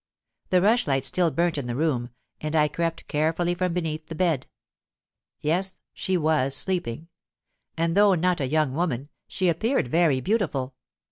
The rush light still burnt in the room; and I crept carefully from beneath the bed. Yes—she was sleeping; and, though not a young woman, she appeared very beautiful.